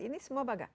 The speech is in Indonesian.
ini semua apa gak